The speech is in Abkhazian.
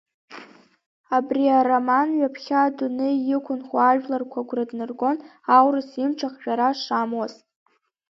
Абри ароман ҩаԥхьа адунеи иқәынхо ажәларқәа агәра днаргон аурыс имч ахжәара шамуаз.